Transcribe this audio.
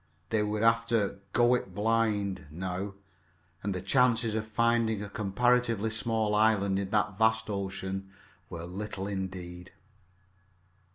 They would have to "go it blind" now, and the chances of finding a comparatively small island in that vast ocean were little indeed.